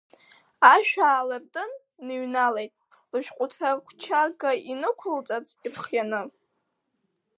Ашә аалыртын, дныҩналеит, лышәҟәҭра ақәчага инықәылҵарц ирхианы.